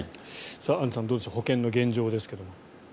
アンジュさんどうでしょう保険の問題ですが。